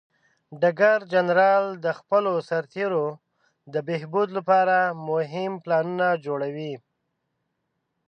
ډګر جنرال د خپلو سرتیرو د بهبود لپاره مهم پلانونه جوړوي.